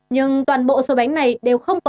nhưng toàn bộ số bánh này đều không có